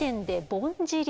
ぼんじり？